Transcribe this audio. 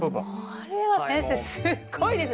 これは先生すっごいですね！